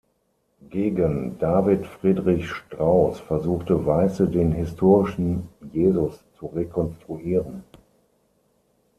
Gegen David Friedrich Strauß versuchte Weisse den historischen Jesus zu rekonstruieren.